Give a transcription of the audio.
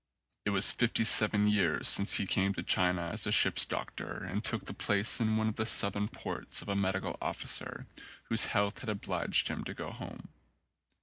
It was fifty seven years since he came to China as a ship's doctor and took the place in one of the Southern ports of a medical officer whose health had obliged him to go home.